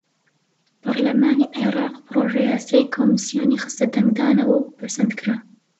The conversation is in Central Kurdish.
پەڕلەمانی عێراق پڕۆژەیاسای کۆمیسیۆنی خستە دەنگدانەوە و پەسەندکرا.